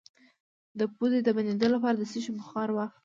د پوزې د بندیدو لپاره د څه شي بخار واخلئ؟